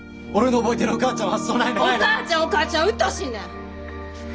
お母ちゃんお母ちゃんうっとうしいねん！